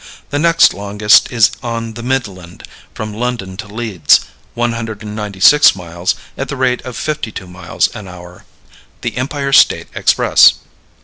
The next longest is on the Midland, from London to Leeds, 196 miles, at the rate of fifty two miles an hour. The Empire State Express.